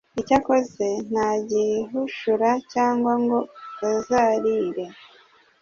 icyo akoze ntagihushura cyangwa ngo azarire